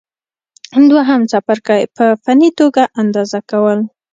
دوهم څپرکی: په فني توګه اندازه کول